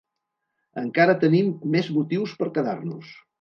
Encara tenim més motius per quedar-nos.